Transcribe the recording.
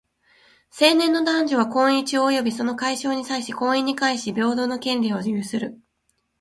成年の男女は、婚姻中及びその解消に際し、婚姻に関し平等の権利を有する。